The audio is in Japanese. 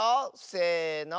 せの。